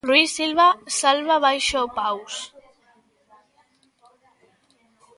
Rui Silva salva baixo paus.